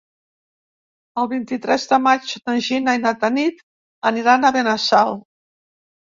El vint-i-tres de maig na Gina i na Tanit aniran a Benassal.